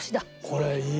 これいい。